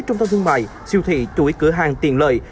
trung tâm thương mại siêu thị chuỗi cửa hàng tiện lợi